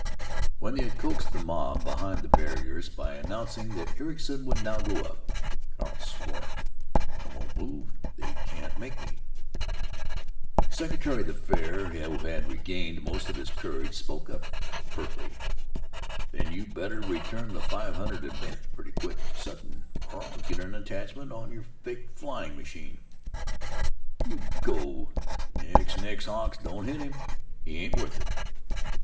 When they had coaxed the mob behind the barriers, by announcing that Ericson would now go up, Carl swore: "I won't move! They can't make me!" The secretary of the fair, who had regained most of his courage, spoke up, pertly, "Then you better return the five hundred advance, pretty quick sudden, or I'll get an attachment on your fake flying machine!" "You go——Nix, nix, Hawk, don't hit him; he ain't worth it.